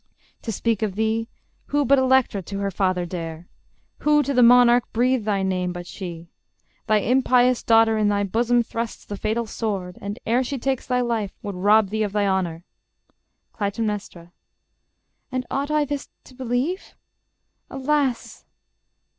_ To speak of thee, Who but Electra to her father dare? Who to the monarch breathe thy name but she? Thy impious daughter in thy bosom thrusts The fatal sword; and ere she takes thy life, Would rob thee of thy honor. Cly. And ought I This to believe?... Alas!...